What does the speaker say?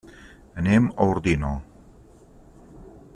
Anem a Ordino.